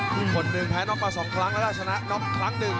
คนหนึ่งแพ้น้องมาสองครั้งแล้วแล้วชนะน้องครั้งหนึ่ง